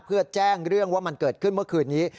เพื่อแจ้งเรื่องว่ามันเกิดขึ้นเมื่อคืนนี้